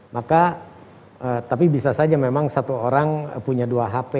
maka tapi bisa saja memang satu orang punya dua hp